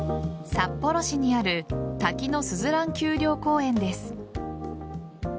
札幌市にある滝野すずらん丘陵公園です。